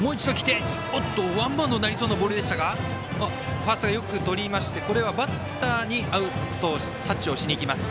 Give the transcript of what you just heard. ファーストがよくとりましてこれはバッターにタッチをしにいきます。